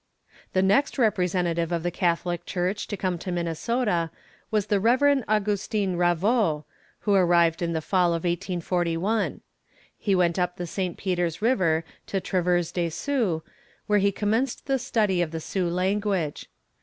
The next representative of the Catholic church to come to Minnesota was the Rev. Augustin Ravoux, who arrived in the fall of 1841. He went up the St. Peter's river to Traverse des Sioux, where he commenced the study of the Sioux language.